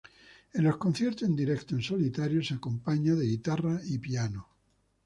En los conciertos en directo en solitario se acompaña de guitarra y piano.